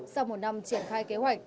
sau một năm triển khai kế hoạch